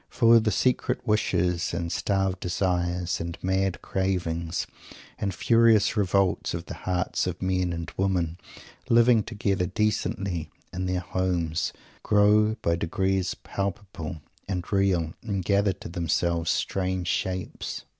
For the secret wishes, and starved desires, and mad cravings, and furious revolts, of the hearts of men and women, living together decently in their "homes," grow by degrees palpable and real and gather to themselves strange shapes.